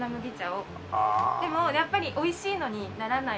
でもやっぱり美味しいのにならないと。